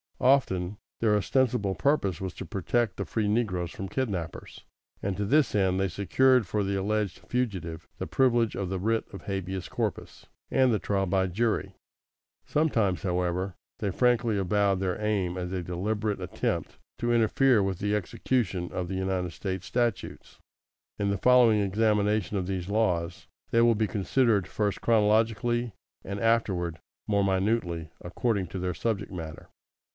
Often their ostensible purpose was to protect the free negroes from kidnappers, and to this end they secured for the alleged fugitive the privilege of the writ of habeas corpus, and the trial by jury. Sometimes, however, they frankly avowed their aim as a deliberate attempt to interfere with the execution of the United States statutes. In the following examination of these laws, they will be considered first chronologically, and afterward more minutely according to their subject matter.